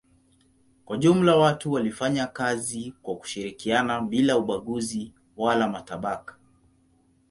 Kwa jumla watu walifanya kazi kwa kushirikiana bila ubaguzi wala matabaka.